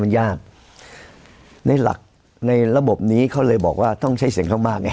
มันยากในหลักในระบบนี้เขาเลยบอกว่าต้องใช้เสียงข้างมากไง